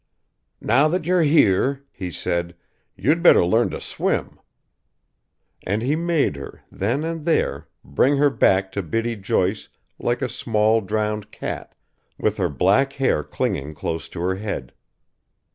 "Now that you're here," he said, "you'd better learn to swim." And he made her, then and there, bringing her back to Biddy Joyce like a small drowned cat, with her black hair clinging close to her head.